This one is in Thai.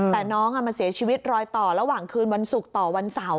แต่น้องมาเสียชีวิตรอยต่อระหว่างคืนวันศุกร์ต่อวันเสาร์